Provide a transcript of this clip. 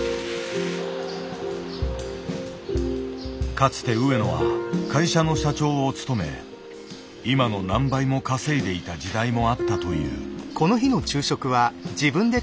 かつて上野は会社の社長を務め今の何倍も稼いでいた時代もあったという。